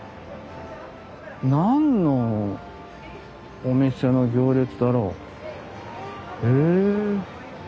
何のお店の行列だろう？へえ。